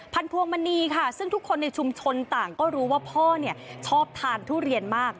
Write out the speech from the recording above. พวงมณีค่ะซึ่งทุกคนในชุมชนต่างก็รู้ว่าพ่อชอบทานทุเรียนมาก